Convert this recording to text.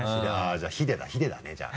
じゃあヒデだヒデだねじゃあ。